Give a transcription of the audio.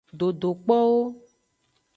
Dodokpowo.